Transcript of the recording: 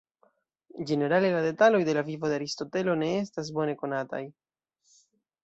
Ĝenerale, la detaloj de la vivo de Aristotelo ne estas bone konataj.